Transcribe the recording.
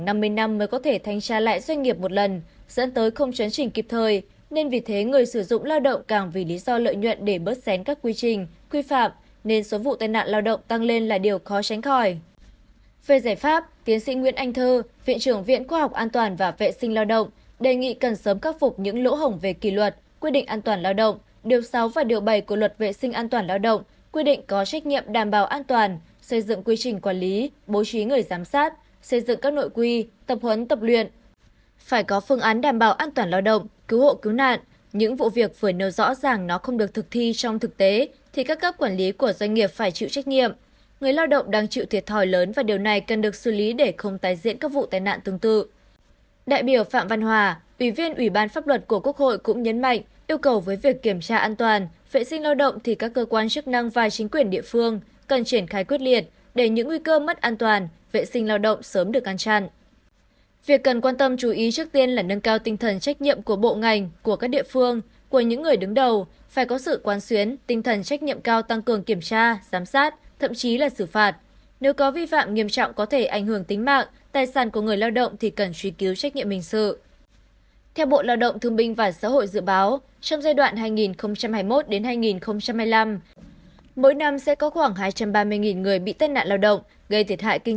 đại biểu phạm văn hòa ủy viên ủy ban pháp luật của quốc hội cũng nhấn mạnh yêu cầu với việc kiểm tra an toàn vệ sinh lao động thì các cơ quan chức năng và chính quyền địa phương cần triển khai quyết liệt để những nguy cơ mất an toàn vệ sinh lao động thì các cơ quan chức năng và chính quyền địa phương cần triển khai quyết liệt để những nguy cơ mất an toàn vệ sinh lao động thì các cơ quan chức năng và chính quyền địa phương cần triển khai quyết liệt để những nguy cơ mất an toàn vệ sinh lao động thì các cơ quan chức năng và chính quyền địa phương cần triển khai quyết liệt để những nguy cơ